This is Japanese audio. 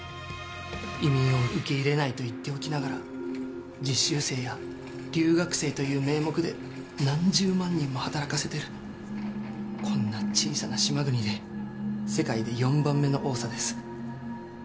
移民を受け入れないと言っておきながら実習生や留学生という名目で何十万人も働かせてるこんな小さな島国で世界で４番目の多さです